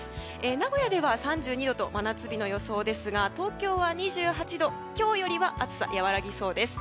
名古屋では３２度と真夏日の予想ですが東京は２８度、今日よりは暑さが和らぎそうです。